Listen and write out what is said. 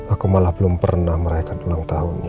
aku malah belum pernah merayakan ulang tahunnya